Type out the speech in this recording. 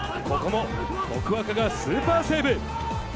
ここも徳若がスーパーセーブ。